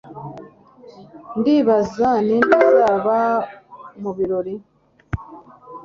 Ndibaza ninde uzaba mubirori.